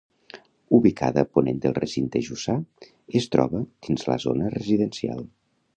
Ubicada a ponent del recinte jussà, es troba dins la zona residencial.